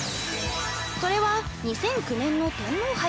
それは２００９年の天皇杯。